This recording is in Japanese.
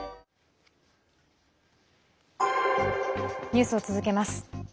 ニュースを続けます。